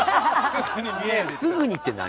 「すぐに」って何？